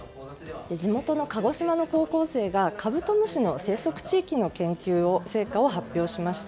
地元の鹿児島の高校生がカブトムシの生息地域の研究成果を発表しました。